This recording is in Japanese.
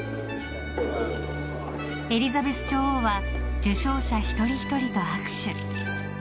エリザベス女王は受賞者一人ひとりと握手。